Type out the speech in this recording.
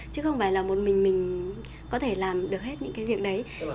chứ không phải là một mình mình có thể làm được hết những cái việc đấy